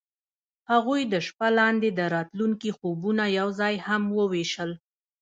هغوی د شپه لاندې د راتلونکي خوبونه یوځای هم وویشل.